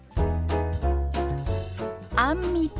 「あんみつ」。